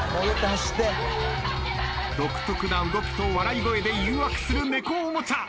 独特な動きと笑い声で誘惑する猫おもちゃ。